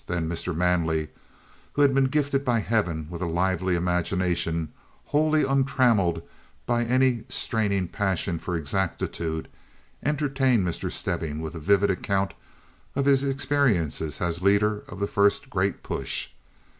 Then Mr. Manley, who had been gifted by Heaven with a lively imagination wholly untrammelled by any straining passion for exactitude, entertained Mr. Stebbing with a vivid account of his experiences as leader of the first Great Push.